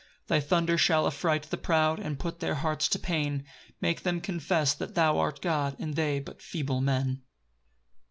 8 Thy thunder shall affright the proud, And put their hearts to pain, Make them confess that thou art God, And they but feeble men.